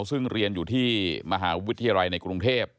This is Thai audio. ซึ่งเรียนอยู่ที่มหาวิทยาลัยในกรุงเทพ